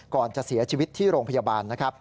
ก่อนจะเสียชีวิตที่โรงพยาบาลนะครับ